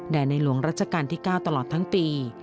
แด่ในหลวงราชการที่ก้าวตลอดทั้งปี